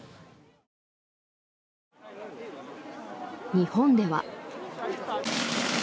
日本では。